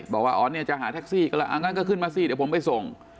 บอกว่าอ๋อเนี่ยจะหาแท็กซี่ก็แล้วอ่างั้นก็ขึ้นมาสิเดี๋ยวผมไปส่ง